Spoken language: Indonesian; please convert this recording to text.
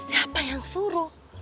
siapa yang suruh